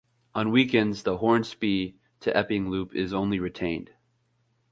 On weekends, the Hornsby to Epping loop is only retained.